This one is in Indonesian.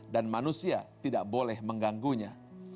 dan manusia tidak boleh mengganggunya